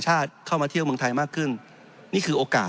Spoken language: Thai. จริงโครงการนี้มันเป็นภาพสะท้อนของรัฐบาลชุดนี้ได้เลยนะครับ